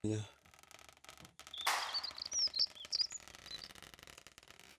Oferta estudios de pregrado y posgrado en ingeniería.